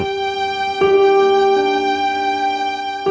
ทีนี้ทำไมนะ